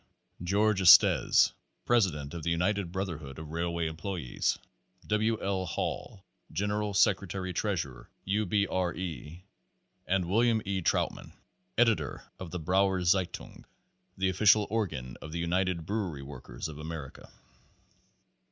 George Estes, president of the United Brotherhood of Railway Employes, W. L. Hall, general secretary treasurer U. B. R. E., and Wm. E. Trautmann, editor of the "Brauer Zeitung," the official organ of the United Brewery Workers of America.